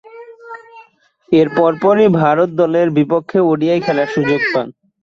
এর পরপরই ভারত দলের বিপক্ষে ওডিআই খেলার সুযোগ পান।